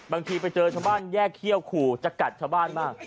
บางทีไปเจอชาวบ้านแยกเขี้ยวขู่จะกัดชาวบ้านบ้าง